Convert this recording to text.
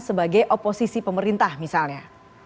sebagai oposisi pemerintah misalnya